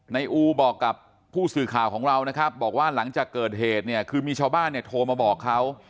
อูบอกกับผู้สื่อข่าวของเรานะครับบอกว่าหลังจากเกิดเหตุเนี่ยคือมีชาวบ้านเนี่ยโทรมาบอกเขา